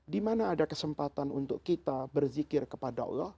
dimana ada kesempatan untuk kita berzikir kepada allah